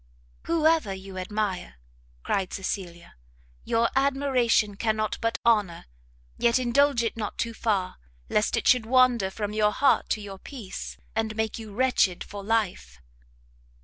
"Whoever you admire," cried Cecilia, "your admiration cannot but honour: yet indulge it not too far, lest it should wander from your heart to your peace, and make you wretched for life."